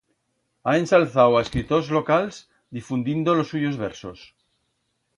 Ha ensalzau a escritors locals difundindo los suyos versos.